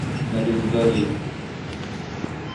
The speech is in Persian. مریض داری